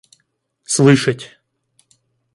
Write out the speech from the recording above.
слышать